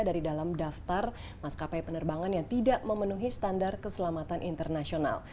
dari dalam daftar maskapai penerbangan yang tidak memenuhi standar keselamatan internasional